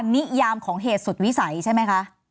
นิยามของเหตุสุดวิสัยใช่ไหมคะ